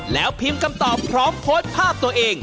แล้วพิมพ์คำตอบพร้อมโพสต์ภาพตัวเอง